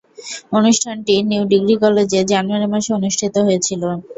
অনুষ্ঠানটি New Degree কলেজে January মাসে অনুষ্ঠিত হয়েছিলো।